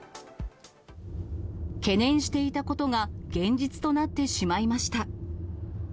懸念していたことが、現実となってしまいました。